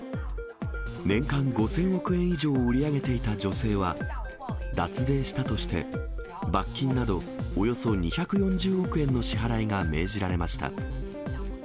年間５０００億円以上を売り上げていた女性は、脱税したとして、罰金などおよそ２４０億円の支払いが命じられました。